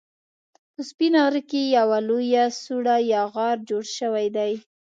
په سپين غره کې يوه لويه سوړه يا غار جوړ شوی دی